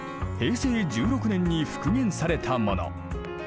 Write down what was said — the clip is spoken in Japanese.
平成１６年に復元されたもの。